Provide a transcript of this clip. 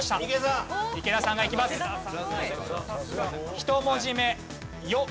１文字目「ヨ」。